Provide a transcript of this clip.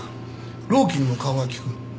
労基にも顔が利く。